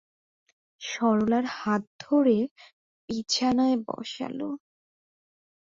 সরলার হাত ধরে বিছানায় বসাল।